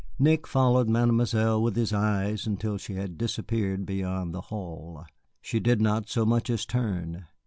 Nick followed Mademoiselle with his eyes until she had disappeared beyond the hall. She did not so much as turn.